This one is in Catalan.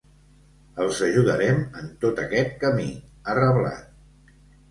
Els ajudarem en tot aquest camí, ha reblat.